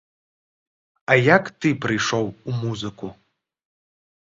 А як ты прыйшоў у музыку?